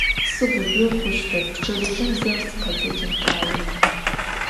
Sıguzjo xhuştep, pçedıjım jeu sıkhetecın faê.